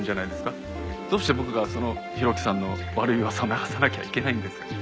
どうして僕がその浩喜さんの悪い噂を流さなきゃいけないんですか？